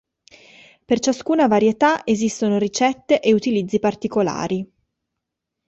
Per ciascuna varietà esistono ricette e utilizzi particolari.